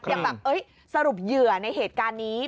ยังแบบสรุปเหยื่อในเหตุการณ์นี้